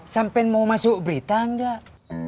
sampai mau masuk berita nggak